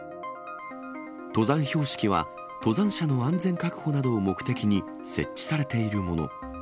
登山標識は、登山者の安全確保などを目的に設置されているもの。